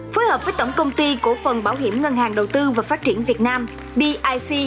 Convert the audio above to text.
phối hợp với tổng công ty cổ phần bảo hiểm ngân hàng đầu tư và phát triển việt nam bic